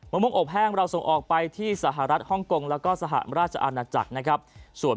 มะม่วงอบแห้งเราส่งออกไปที่สหรัฐฮ่องกงและสหราชอาณาจักร